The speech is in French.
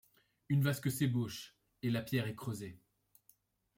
Une vasque s’ébauche, et la pierre est creusée.